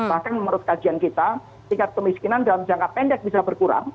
bahkan menurut kajian kita tingkat kemiskinan dalam jangka pendek bisa berkurang